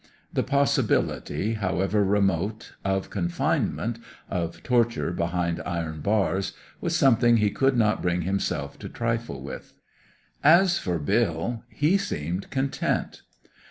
The possibility, however remote, of confinement, of torture behind iron bars, was something he could not bring himself to trifle with. As for Bill, he seemed content.